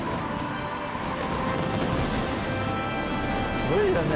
すごいよね。